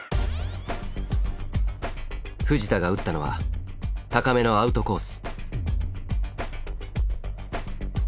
藤田が打ったのは高めのアウトコース。